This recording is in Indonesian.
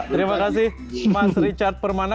terima kasih mas richard permana